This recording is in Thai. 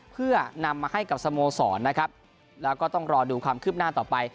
เพื่อนำมาให้กับสโมสรนะครับแล้วก็ต้องรอดูความคืบหน้าต่อไป